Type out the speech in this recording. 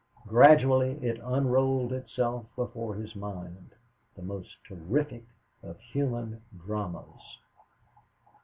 Gradually it unrolled itself before his mind the most terrific of human dramas.